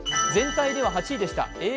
全体では８位でした。